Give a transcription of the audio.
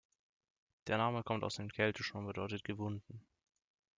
Der Name kommt aus dem Keltischen und bedeutet „gewunden“.